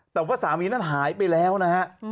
แต่ว่าสามีนั้นหายไปแล้วนะฮะ